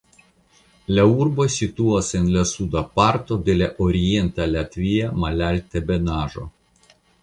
La urbo situas en la suda parto de la Orienta Latvia malaltebenaĵo.